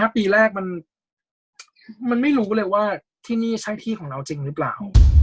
ปีแรกมันไม่รู้เลยว่าที่นี่ใช่ที่ของเราจริงหรือเปล่า